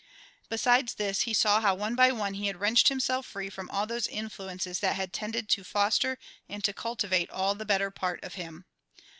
Besides this he saw how one by one he had wrenched himself free from all those influences that had tended to foster and to cultivate all the better part of him.